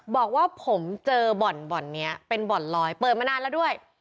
บอกว่าผมเจอบ่อนบ่อนนี้เป็นบ่อนลอยเปิดมานานแล้วด้วย